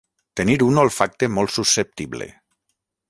Tenir un olfacte molt susceptible.